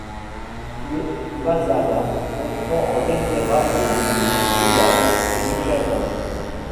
Le masala comprend en général de l'oignon, de l'ail et du gingembre.